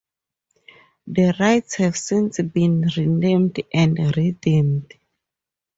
The rides have since been renamed and rethemed.